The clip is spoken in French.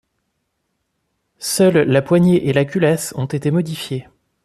Seules la poignée et la culasse ont été modifiées.